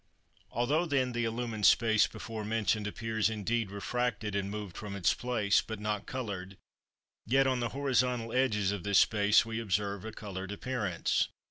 Although, then, the illumined space before mentioned appears indeed refracted and moved from its place, but not coloured, yet on the horizontal edges of this space we observe a coloured appearance.